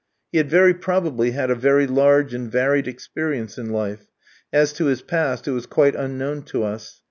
He had very probably had a very large and varied experience in life; as to his past, it was quite unknown to us.